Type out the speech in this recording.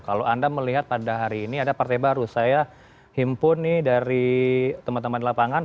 kalau anda melihat pada hari ini ada partai baru saya himpun nih dari teman teman di lapangan